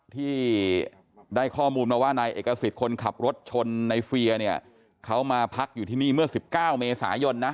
ที่ได้ข้อมูลมาว่านายเอกสิทธิ์คนขับรถชนในเฟียเนี่ยเขามาพักอยู่ที่นี่เมื่อ๑๙เมษายนนะ